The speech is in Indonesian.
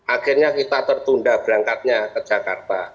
akhirnya kita tertunda berangkatnya ke jakarta